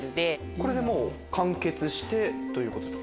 これで完結ということですか？